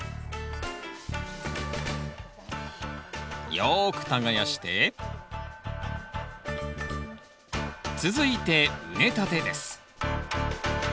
よく耕して続いて畝立てです